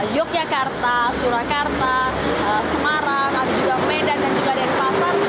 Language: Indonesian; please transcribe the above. yogyakarta surakarta semarang medan dan denpasar